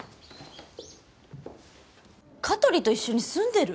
香取と一緒に住んでる！？